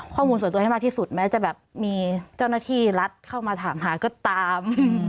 ข้อมูลส่วนตัวให้มากที่สุดแม้จะแบบมีเจ้าหน้าที่รัฐเข้ามาถามหาก็ตาม